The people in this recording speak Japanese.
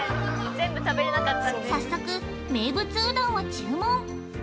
早速、名物うどんを注文。